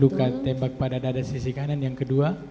luka tembak pada dada sisi kanan yang kedua